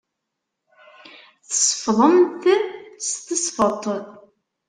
Tsefḍemt s tesfeḍt.